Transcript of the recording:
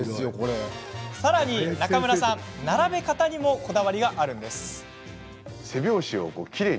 さらに中村さん並べ方にもこだわりがあるんです。